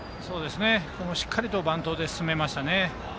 しっかりとバントで進めましたね。